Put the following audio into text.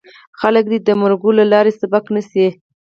خلک دې د مرکو له لارې سپک نه شي.